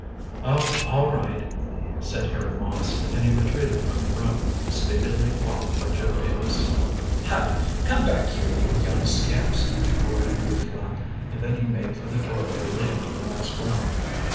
"Oh, all right," said Harry Moss, and he retreated from the room, speedily followed by Joe Davis. "Hi! come back here, you young scamps!" roared Lew Flapp. And then he made for the doorway leading to the next room.